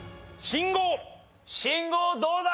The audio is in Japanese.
信号どうだ？